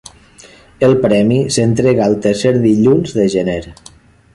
El premi s'entrega el tercer dilluns de gener.